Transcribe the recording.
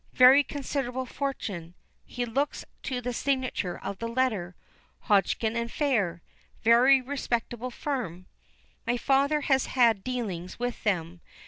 Very considerable fortune.'" He looks to the signature of the letter. "Hodgson & Fair. Very respectable firm! My father has had dealings with them.